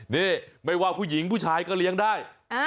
นี่ไม่ว่าผู้หญิงผู้ชายก็เลี้ยงได้